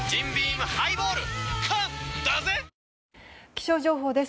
気象情報です。